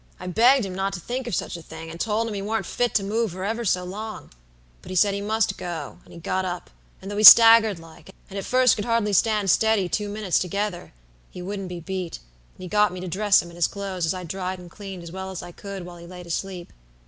"I begged him not to think of such a thing and told him he warn't fit to move for ever so long; but he said he must go, and he got up, and though he staggered like, and at first could hardly stand steady two minutes together, he wouldn't be beat, and he got me to dress him in his clothes as I'd dried and cleaned as well as I could while he laid asleep.